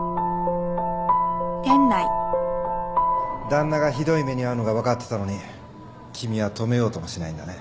旦那がひどい目に遭うのが分かってたのに君は止めようともしないんだね。